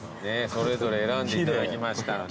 それぞれ選んでいただきましたので。